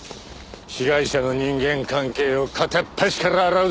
被害者の人間関係を片っ端から洗うぞ。